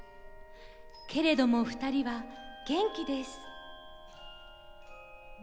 けれども２人は元気です。